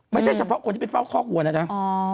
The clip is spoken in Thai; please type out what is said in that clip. ไม่ใช่เฉพาะคนที่เป็นเฝ้าข้อครัวนะครับ